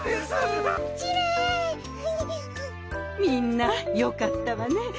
みんなよかったわね。